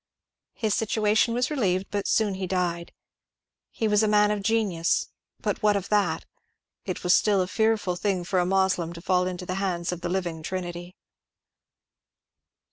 His situation was relieved, but he soon died. He was a man of genius, but what of that? It was still a fearful thing for a Moslem to fall into the hands of the living Trinity.